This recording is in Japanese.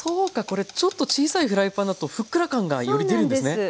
これちょっと小さいフライパンだとふっくら感がより出るんですね。